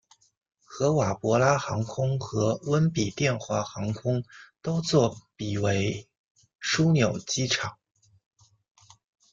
合瓦博拉航空和温比殿华航空都作比为枢纽机场。